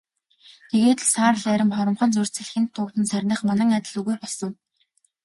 Тэгээд л саарал арми хоромхон зуурт салхинд туугдан сарних манан адил үгүй болсон.